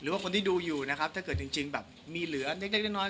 ว่าคนที่ดูอยู่นะครับถ้าเกิดจริงแบบมีเหลือเล็กน้อย